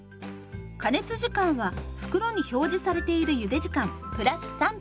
加熱時間は袋に表示されているゆで時間プラス３分。